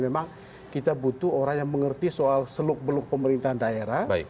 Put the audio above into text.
memang kita butuh orang yang mengerti soal seluk beluk pemerintahan daerah